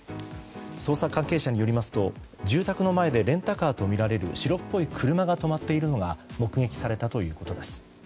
捜査関係者によりますと住宅の前でレンタカーとみられる白っぽい車が止まっているのが目撃されたということです。